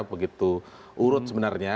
begitu urut sebenarnya